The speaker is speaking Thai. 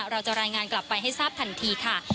เราจะรายงานกลับไปให้ทราบทันทีค่ะ